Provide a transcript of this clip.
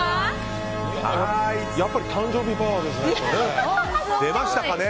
やっぱり誕生日パワーですね。